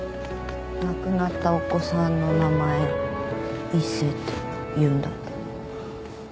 亡くなったお子さんの名前一星っていうんだって。